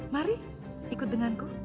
mari ikut denganku